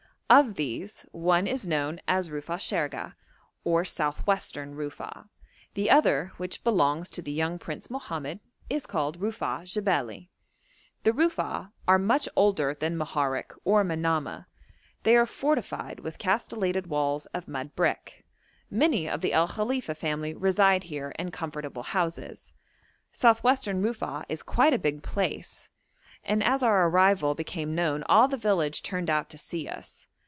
Of these, one is known as Rufa'a Shergeh, or South western Rufa'a; the other, which belongs to the young Prince Mohammed, is called Rufa'a Jebeli. The Rufa'a are much older than Moharek, or Manamah; they are fortified with castellated walls of mud brick. Many of the El Khalifa family reside here in comfortable houses. South western Rufa'a is quite a big place, and as our arrival became known all the village turned out to see us.